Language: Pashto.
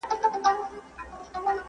تر غرمي پوري یې وکړله تاختونه !.